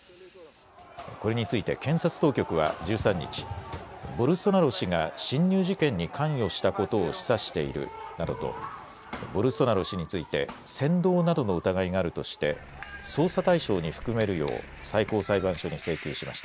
これについて検察当局は１３日、ボルソナロ氏が侵入事件に関与したことを示唆しているなどとボルソナロ氏について扇動などの疑いがあるとして捜査対象に含めるよう最高裁判所に請求しました。